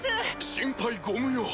心配ご無用。